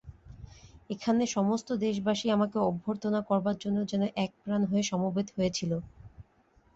এখানে সমস্ত দেশবাসী আমাকে অভ্যর্থনা করবার জন্য যেন একপ্রাণ হয়ে সমবেত হয়েছিল।